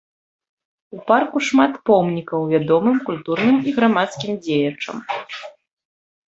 У парку шмат помнікаў вядомым культурным і грамадскім дзеячам.